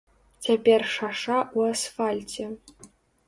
Цяпер шаша ў асфальце.